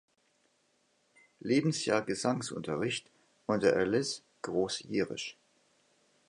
Lebensjahr Gesangsunterricht unter Alice Gross-Jiresch.